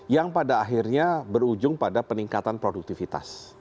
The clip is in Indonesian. yang pada akhirnya berujung pada peningkatan produktivitas